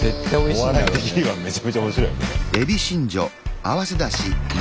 お笑い的にはめちゃめちゃ面白いよね。